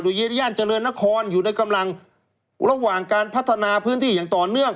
ย่านเจริญนครอยู่ในกำลังระหว่างการพัฒนาพื้นที่อย่างต่อเนื่อง